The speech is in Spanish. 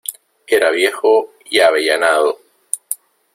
era viejo y avellanado: